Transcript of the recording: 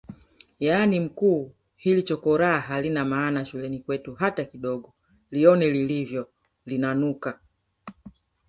Yani mkuu hili chokoraa halina maana shuleni kwetu hata kidogo lione lilivyolinanuka